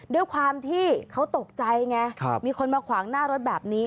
ด้วยความที่เขาตกใจไงมีคนมาขวางหน้ารถแบบนี้